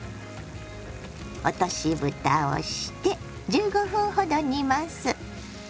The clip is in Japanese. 落としぶたをして１５分ほど煮ます。